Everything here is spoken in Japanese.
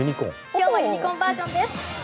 今日はユニコーンバージョンです。